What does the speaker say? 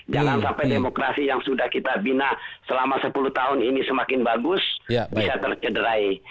jangan sampai demokrasi yang sudah kita bina selama sepuluh tahun ini semakin bagus bisa tercederai